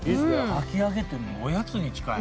かき揚げっていうよりもおやつに近い。